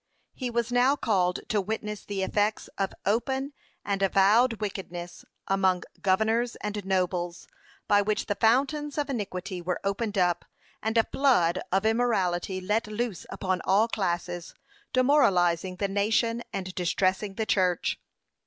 He was now called to witness the effects of open and avowed wickedness among governors and nobles, by which the fountains of iniquity were opened up, and a flood of immorality let loose upon all classes; demoralizing the nation, and distressing the church.